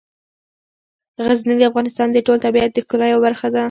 غزني د افغانستان د ټول طبیعت د ښکلا یوه برخه ده.